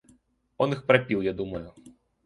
Он их пропил, я думаю.